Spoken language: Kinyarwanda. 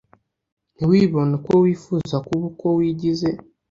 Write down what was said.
ntiwibone uko wifuza kuba uko wigize